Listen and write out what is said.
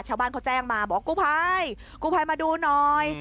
ชาวบ้านเค้าแจ้งมาบอกกู้ภัยมาดูหน่อย